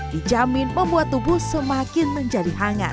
dijamin membuat tubuh semakin menjadi hangat